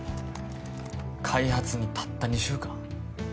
開発にたった２週間？